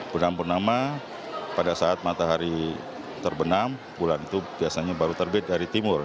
bulan purnama pada saat matahari terbenam bulan itu biasanya baru terbit dari timur